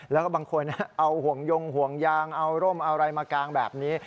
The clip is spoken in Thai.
แล้วก็บางคนเอาห่วงยงห่วงยางเอาร่มเอาอะไรมากางแบบนี้